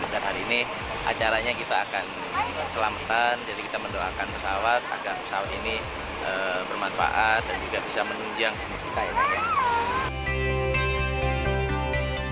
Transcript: dan hari ini acaranya kita akan selamatan jadi kita mendoakan pesawat agar pesawat ini bermanfaat dan juga bisa menunjang kemungkinan